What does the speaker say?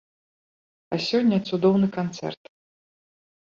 А сёння цудоўны канцэрт.